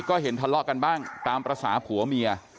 ก็เห็นทะเลาะกันบ้างตามภาษาผัวเมีย